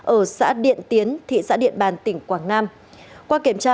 ở xã điện tiến thị xã điện bàn tỉnh quảng nam